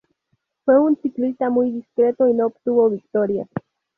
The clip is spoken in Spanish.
Fue un ciclista muy discreto y no obtuvo victorias.